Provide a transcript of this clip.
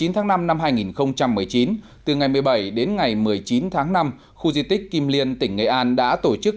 một mươi tháng năm năm hai nghìn một mươi chín từ ngày một mươi bảy đến ngày một mươi chín tháng năm khu di tích kim liên tỉnh nghệ an đã tổ chức